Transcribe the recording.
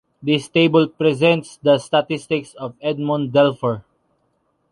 This table presents the statistics of Edmond Delfour.